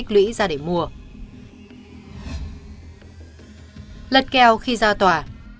lật kèo khi ra tòa